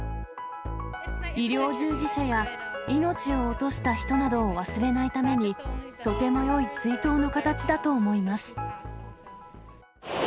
医療従事者や命を落とした人などを忘れないために、とてもよい追悼の形だと思います。